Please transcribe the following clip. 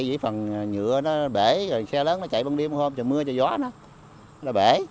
dĩ phần nhựa nó bể rồi xe lớn nó chạy băng đi băng hôm trời mưa cho gió nó nó bể